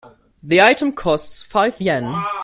The item costs five Yen.